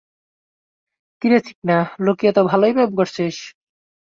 কিরে চিকনা, লুকিয়ে তো ভালোই প্রেম করছিস।